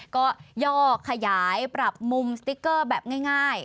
ก็ย่อขยายปรับมุมสติ๊กเกอร์แบบง่าย